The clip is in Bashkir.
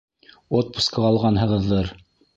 Отпускы алғанһығыҙҙыр.